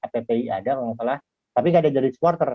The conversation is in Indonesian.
tapi nggak ada dari supporter